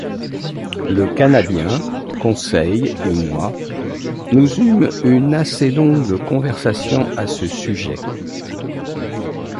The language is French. Le Canadien, Conseil et moi, nous eûmes une assez longue conversation à ce sujet.